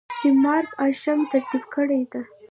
چې Mark Isham ترتيب کړې ده.